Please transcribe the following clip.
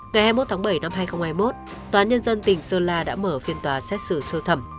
ngày hai mươi một tháng bảy năm hai nghìn hai mươi một tòa nhân dân tỉnh sơn la đã mở phiên tòa xét xử sơ thẩm